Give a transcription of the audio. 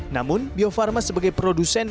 namun bio farma sebagai produsen